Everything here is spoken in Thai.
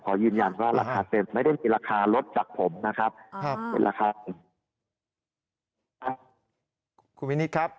ขอยืนยันว่าราคาเต็มไม่ได้มีราคารถาดจากผมนะครับ